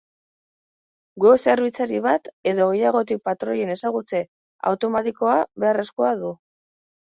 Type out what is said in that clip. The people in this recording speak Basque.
Web zerbitzari bat edo gehiagotik patroien ezagutze automatikoa beharrezkoa du.